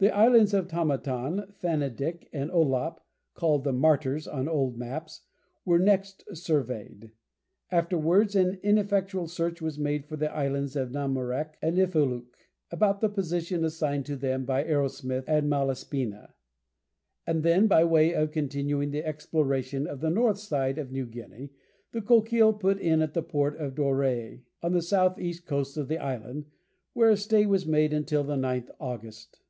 The islands of Tamatan, Fanendik, and Ollap, called "The Martyrs" on old maps, were next surveyed; afterwards an ineffectual search was made for the islands of Namoureck and Ifelouk about the position assigned to them by Arrowsmith and Malaspina; and then, by way of continuing the exploration of the north side of New Guinea, the Coquille put in at the port of Doreï, on the south east coast of the island, where a stay was made until the 9th August.